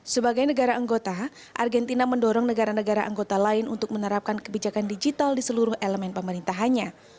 sebagai negara anggota argentina mendorong negara negara anggota lain untuk menerapkan kebijakan digital di seluruh elemen pemerintahannya